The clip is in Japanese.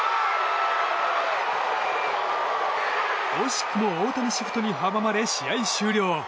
惜しくも大谷シフトに阻まれ試合終了。